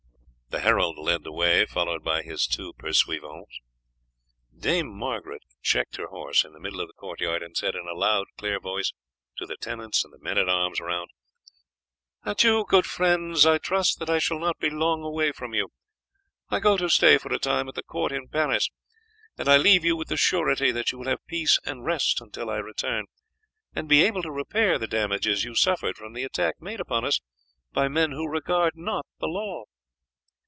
The herald led the way, followed by his two pursuivants. Dame Margaret checked her horse in the middle of the court yard, and said in a loud clear voice to the tenants and men at arms round: "Adieu, good friends; I trust that I shall not be long away from you. I go to stay for a time at the court in Paris, and I leave you with the surety that you will have peace and rest until I return, and be able to repair the damages you suffered from the attack made upon us by men who regard not the law."